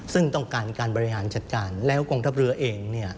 ซึ่งต้องการการบริหารจัดการแล้วกองทัพเรือเอง